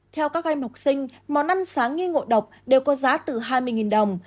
theo các em học sinh món ăn sáng nghi ngộ độc đều có giá từ hai mươi đồng